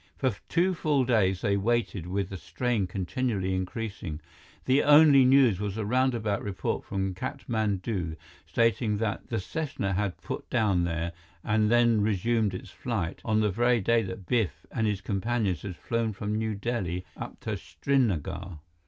For two full days they waited, with the strain continually increasing. The only news was a roundabout report from Katmandu, stating that the Cessna had put down there and then resumed its flight, on the very day that Biff and his companions had flown from New Delhi up to Srinagar.